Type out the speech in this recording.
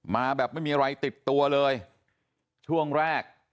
มาแบบไม่มีอะไรติดตัวเลยช่วงแรก